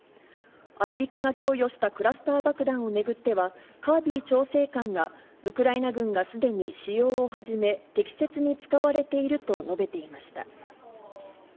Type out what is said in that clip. アメリカが供与したクラスター爆弾を巡っては、カービー調整官がウクライナ軍がすでに使用を始め、適切に使われていると述べていました。